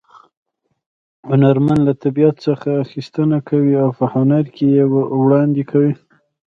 هنرمن له طبیعت څخه اخیستنه کوي او په هنر کې یې وړاندې کوي